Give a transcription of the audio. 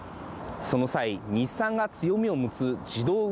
その際、日産が強みを持つ自度運